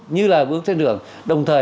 như là bước trên đường đồng thời